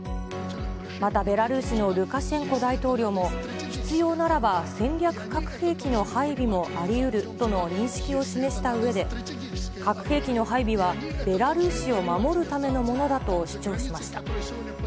また、ベラルーシのルカシェンコ大統領も、必要ならば戦略核兵器の配備もありうるとの認識を示したうえで、核兵器の配備は、ベラルーシを守るためのものだと主張しました。